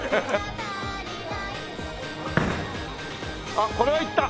あっこれはいった！